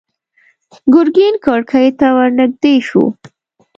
ګرګين کړکۍ ته ور نږدې شو.